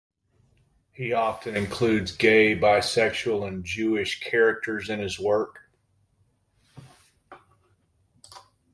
He often includes gay, bisexual, and Jewish characters in his work.